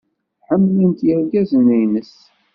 Ḥemmlen-t yergazen-nnes.